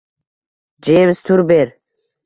Jeyms Turber